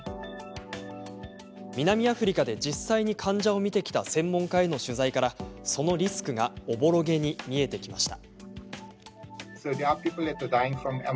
南アフリカで実際に患者を診てきた専門家への取材からそのリスクがおぼろげに見えてきました。